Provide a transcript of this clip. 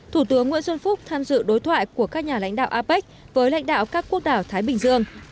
thủ tướng nguyễn xuân phúc tham dự đối thoại của các nhà lãnh đạo apec với lãnh đạo các quốc đảo thái bình dương